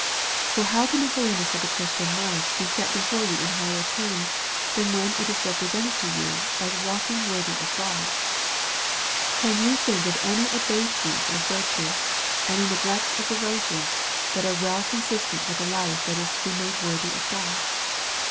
For how can the holiness of the Christian life be set before you in higher terms, than when it is repre sented to you as walking wortliy of God? Can you DETOUT AND HOLY LIFE. S77 think of any abatements of virtue^ any neglects of de votion, that are well consistent with a life that is to be made worthy of God?